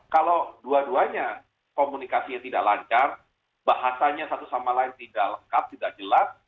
kalau dua duanya komunikasinya tidak lancar bahasanya satu sama lain tidak lengkap tidak jelas